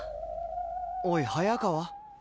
おい早川。